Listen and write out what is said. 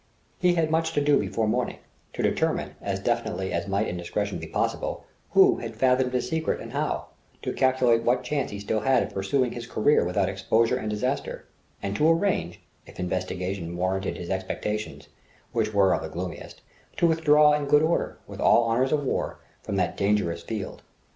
He had much to do before morning: to determine, as definitely as might in discretion be possible, who had fathomed his secret and how; to calculate what chance he still had of pursuing his career without exposure and disaster; and to arrange, if investigation verified his expectations, which were of the gloomiest, to withdraw in good order, with all honours of war, from that dangerous field.